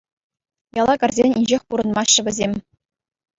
Яла кӗрсен инҫех пурӑнмаҫҫӗ вӗсем.